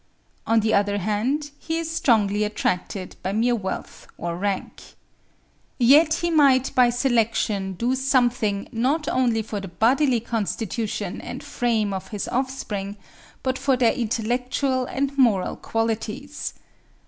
On the other hand he is strongly attracted by mere wealth or rank. Yet he might by selection do something not only for the bodily constitution and frame of his offspring, but for their intellectual and moral qualities.